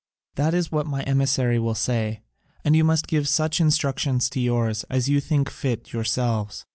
That is what my emissary will say: and you must give such instructions to yours as you think fit yourselves.